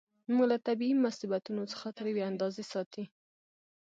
موږ له طبیعي مصیبتونو څخه تر یوې اندازې ساتي.